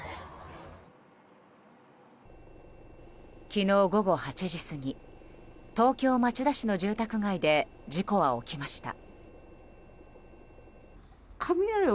昨日午後８時過ぎ東京・町田市の住宅街で事故は起きました。